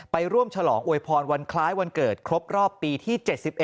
ไปร่วมฉลองอวยพรวันคล้ายวันเกิดครบรอบปีที่๗๑